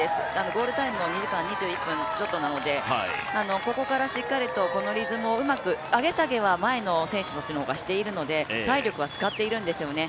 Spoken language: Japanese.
ゴールタイム２時間２１分ちょっとなのでここからしっかりとこのリズムを、上げ下げは前の選手たちがしているので体力は使っているんですよね